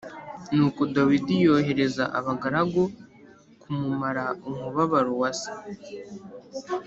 Nuko Dawidi yohereza abagaragu kumumara umubabaro wa se.